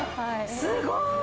すごい！